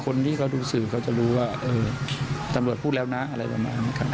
คนที่เขาดูสื่อเขาจะรู้ว่าเออตำรวจพูดแล้วนะอะไรประมาณนี้ครับ